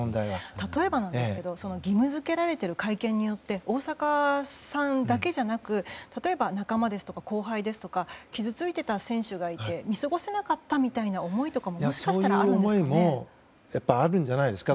例えばなんですけど義務付けられている会見によって大坂さんだけじゃなく例えば仲間、後輩ですとか傷ついた選手がいて見過ごせなかったという思いもあるんですかね。